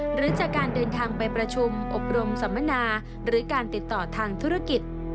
หรือจากการเดินทางไปประชุมอบรมสัมมนาหรือการติดต่อทางธุรกิจ